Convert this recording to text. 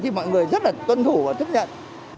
thì mọi người rất là tuân thủ và chấp nhận